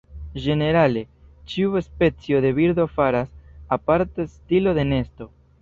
Ĝenerale, ĉiu specio de birdo faras aparta stilo de nesto.